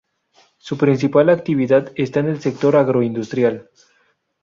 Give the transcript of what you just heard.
Su principal actividad está en el sector agroindustrial.